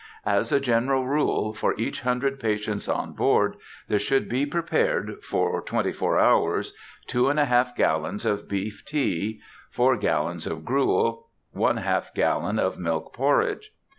As a general rule, for each hundred patients on board, there should be prepared, for twenty four hours,— 2½ gallons of beef tea, 4 gallons of gruel, ½ gallon of milk porridge.